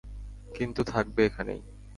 কিন্তু থাকবে এখানেই।